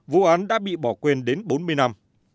vụ án đã bị bỏ quên đến bốn mươi năm